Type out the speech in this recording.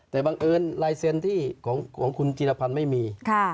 แต่บังเอิญลายเซ็นต์ที่ของคุณจิรพันธ์ไม่มี